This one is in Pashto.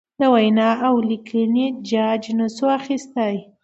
د وینا اولیکنې جاج نشو اخستی.